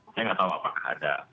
saya nggak tahu apakah ada